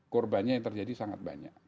korbannya yang terjadi sangat banyak